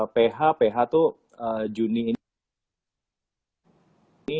ph ph itu juni ini